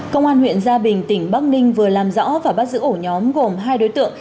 công an huyện gia bình tỉnh bắc ninh vừa làm rõ và bắt giữ ổ nhóm gồm hai đối tượng